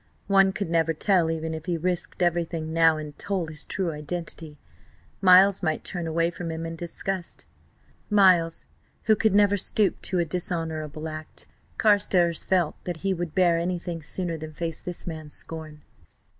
One could never tell; even if he risked everything now, and told his true identity, Miles might turn away from him in disgust; Miles, who could never stoop to a dishonourable act. Carstares felt that he would bear anything sooner than face this man's scorn.